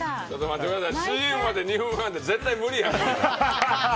ＣＭまで２分半って絶対無理やん。